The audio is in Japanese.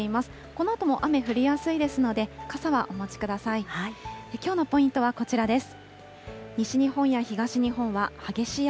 このあとも雨降りやすいですので、傘はお持ちください。